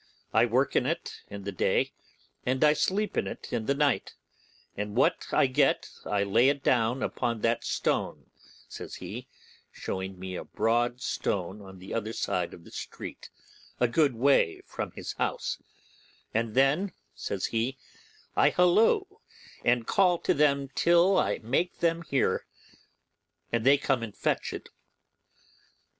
I work in it in the day, and I sleep in it in the night; and what I get I lay down upon that stone,' says he, showing me a broad stone on the other side of the street, a good way from his house; 'and then,' says he, 'I halloo, and call to them till I make them hear; and they come and fetch it.